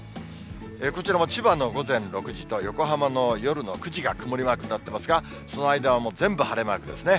こちらも千葉の午前６時と、横浜の夜の９時が曇りマークになってますが、その間はもう全部晴れマークですね。